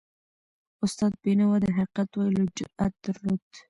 استاد بینوا د حقیقت ویلو جرأت درلود.